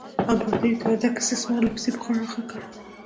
امپراتورۍ ته ورتګ استثمار لا پسې پراخ کړ.